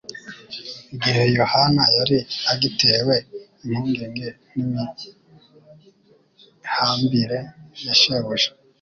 Igihe Yohana yari agitewe impungenge n'imihambire ya Shebuja,